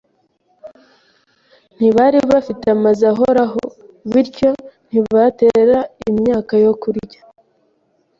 Ntibari bafite amazu ahoraho, bityo ntibatera imyaka yo kurya.